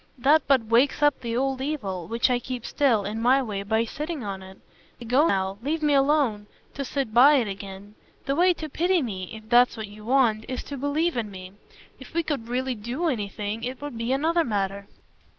That but wakes up the old evil, which I keep still, in my way, by sitting by it. I go now leave me alone! to sit by it again. The way to pity me if that's what you want is to believe in me. If we could really DO anything it would be another matter."